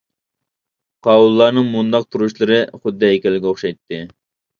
قاراۋۇللارنىڭ مۇنداق تۇرۇشلىرى خۇددى ھەيكەلگە ئوخشايتتى.